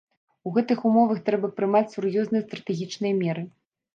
У гэтых умовах трэба прымаць сур'ёзныя стратэгічныя меры.